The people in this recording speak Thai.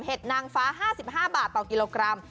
นางฟ้า๕๕บาทต่อกิโลกรัม